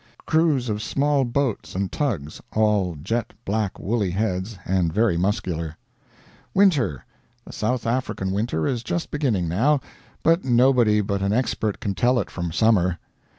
Crews of small boats and tugs, all jet black woolly heads and very muscular. Winter. The South African winter is just beginning now, but nobody but an expert can tell it from summer.